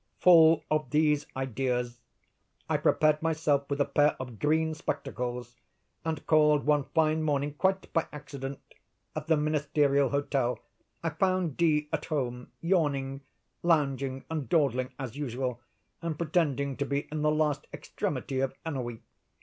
"Full of these ideas, I prepared myself with a pair of green spectacles, and called one fine morning, quite by accident, at the Ministerial hotel. I found D—— at home, yawning, lounging, and dawdling, as usual, and pretending to be in the last extremity of ennui.